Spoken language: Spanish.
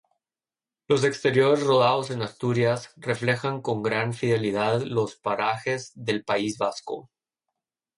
Los exteriores rodados en Asturias, reflejan con gran fidelidad los parajes del País Vasco.